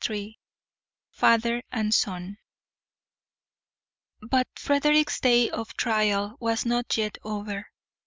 XXXIII FATHER AND SON But Frederick's day of trial was not yet over.